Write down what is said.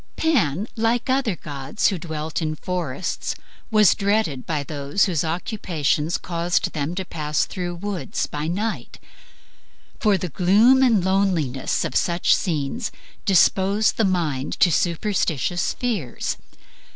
Pan, like other gods who dwelt in forests, was dreaded by those whose occupations caused them to pass through the woods by night, for the gloom and loneliness of such scenes dispose the mind to superstitious fears.